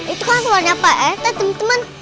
itu kan soalnya pak rt temen temen